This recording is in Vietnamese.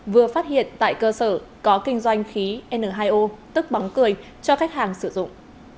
vừa phát hiện tại cơ sở có kinh doanh khí n hai o tức bóng cười cho khách hàng sử dụng